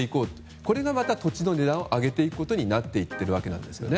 これが土地の値段を上げていくことになっているんですね。